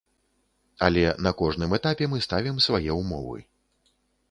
Але на кожным этапе мы ставім свае ўмовы.